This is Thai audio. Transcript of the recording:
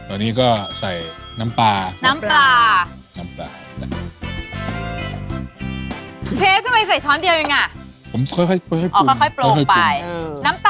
อันนี้ก็ใส่น้ำปลาอ่ะ